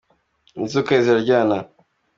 inzoka ziraryana.